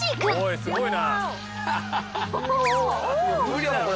すごいな。